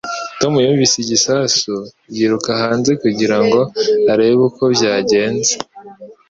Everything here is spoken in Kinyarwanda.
Tom yumvise igisasu yiruka hanze kugira ngo arebe uko byagenze.